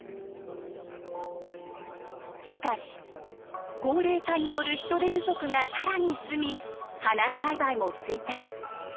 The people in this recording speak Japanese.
しかし高齢化による人手不足が更に進み花栽培も衰退。